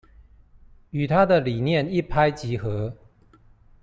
與她的理念一拍即合